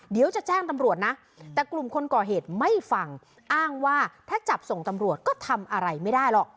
เดี๋ยวจะแจ้งตำรวจนะแต่กลุ่มคนก่อเหตุไม่ฟังอ้างว่าถ้าจับส่งตำรวจก็ทำอะไรไม่ได้หรอก